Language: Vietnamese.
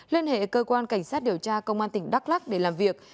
liên hệ cơ quan cảnh sát điều tra công an tỉnh đắk lắc để làm việc